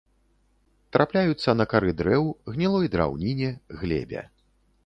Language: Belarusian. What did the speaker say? Трапляюцца на кары дрэў, гнілой драўніне, глебе.